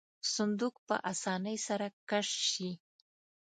صندوق په آسانۍ سره کش شي.